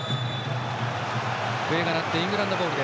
笛が鳴ってイングランドボール。